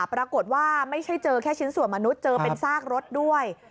ปรากฏว่าไม่ใช่เจอแค่ชิ้นส่วนมนุษย์เจอเป็นซากรถด้วย